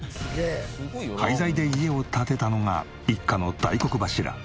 廃材で家を建てたのが一家の大黒柱余一パパ。